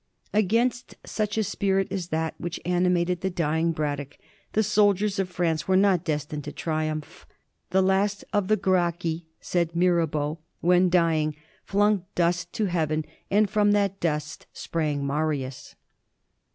Against sach a spirit as that which animated the dying Braddock the sol diers of France were not destined to triumph. ^^ The last of the Gracchi/' said Mirabeau, '^ when dying, flung dust to heaven, and from that dust sprang Marius."